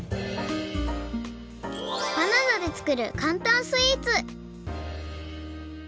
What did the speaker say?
バナナで作るかんたんスイーツ！